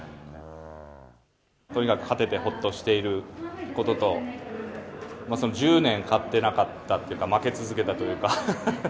とにかく勝ててほっとしていることと、その１０年勝ってなかったっていうか、負け続けたというか。